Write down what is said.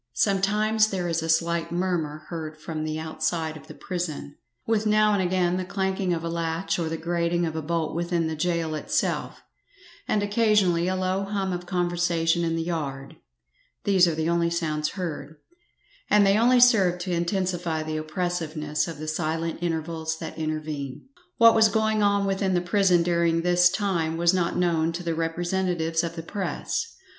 Sometimes there is a slight murmur heard from the outside of the prison, with now and again the clanking of a latch or the grating of a bolt within the gaol itself, and occasionally a low hum of conversation in the yard these are the only sounds heard, and they only serve to intensify the oppressiveness of the silent intervals that intervene. What was going on within the prison during this time was not known to the representatives of the press.